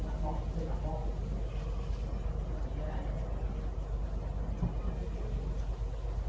สวัสดีครับทุกคน